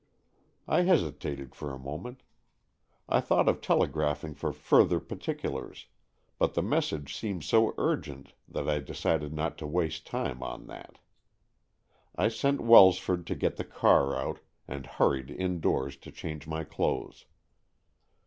I hesitated for a moment. I thought of telegraphing for further particulars, but the message seemed so urgent that I decided not to waste time on that. I sent Welsford to get the car out, and hurried indoors to change mj clothes.